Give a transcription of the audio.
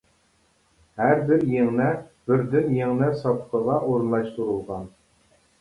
ھەر بىر يىڭنە، بىردىن يىڭنە ساپىقىغا ئورۇنلاشتۇرۇلغان.